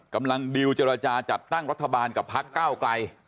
ดิวเจรจาจัดตั้งรัฐบาลกับพักเก้าไกล